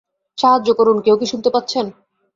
সাহায্য করুন কেউ কি শুনতে পাচ্ছেন?